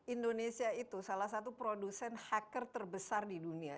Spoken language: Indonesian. indonesia itu salah satu produsen hacker terbesar di dunia